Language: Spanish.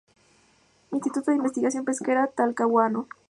Instituto de Investigación Pesquera, Talcahuano.